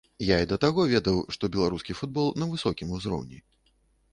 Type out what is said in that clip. Я і да таго ведаў, што беларускі футбол на высокім узроўні.